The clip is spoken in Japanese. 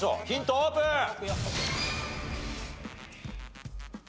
ヒントオープン！